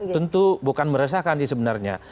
tentu bukan meresahkan sih sebenarnya